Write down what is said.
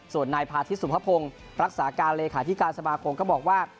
ส่วนนายพาทิตสุภพงศ์รักษาการเลขาธิการสมาคมก็บอกว่า